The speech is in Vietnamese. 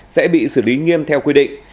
sẽ bị xử lý nghiêm theo quy định